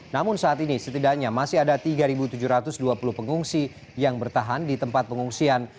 namun saat ini setidaknya masih ada tiga tujuh ratus dua puluh pengungsi yang bertahan di tempat pengungsian